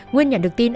nguyên nhận được tin